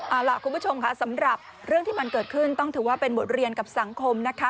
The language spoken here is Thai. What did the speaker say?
เอาล่ะคุณผู้ชมค่ะสำหรับเรื่องที่มันเกิดขึ้นต้องถือว่าเป็นบทเรียนกับสังคมนะคะ